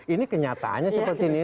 ini kenyataannya seperti ini